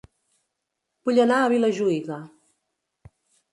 Vull anar a Vilajuïga